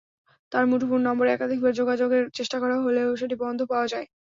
তাঁর মুঠোফোন নম্বরে একাধিকবার যোগাযোগের চেষ্টা করা হলেও সেটি বন্ধ পাওয়া যায়।